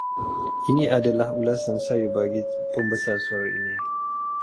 Ini adalah ulasan saya bagi pembesar suara ini.